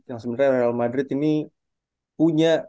yang sebenarnya real madrid ini punya